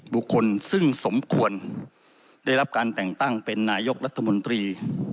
บุคคลซึ่งสมควรได้รับการแต่งตั้งเป็นนายกรัฐมนตรี